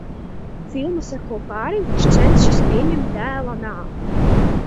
Filma seko pārim, kurš cenšas pieņemt dēla nāvi.